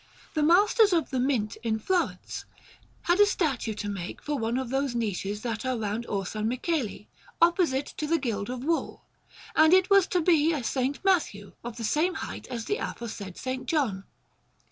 The Masters of the Mint in Florence had a statue to make for one of those niches that are round Orsanmichele, opposite to the Guild of Wool, and it was to be a S. Matthew, of the same height as the aforesaid S. John.